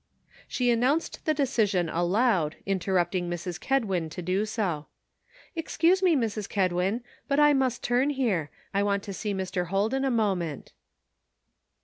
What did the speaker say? She announced the decision aloud, interrupting Mrs. Kedwin to do so. "Excuse me, Mrs. Kedwin, but I must turn here ; I want to see Mr. Holden a moment."